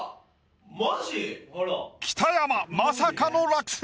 ・北山まさかの落選。